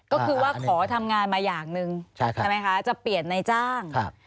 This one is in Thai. ก็คือว่าขอทำงานมาอย่างหนึ่งใช่ไหมคะจะเปลี่ยนในจ้าง